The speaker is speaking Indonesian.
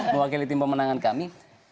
mewakili tim pemenangan kami